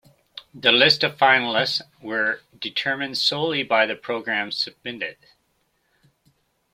The list of finalist were determined solely by the programs submitted.